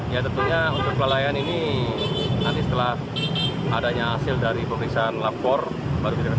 ya tentunya unsur kelelayan ini nanti setelah adanya hasil dari pemeriksaan lapor baru diketahui